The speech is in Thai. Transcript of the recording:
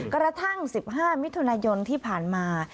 กระทั่ง๑๕มิถุนายนที่ผ่านมา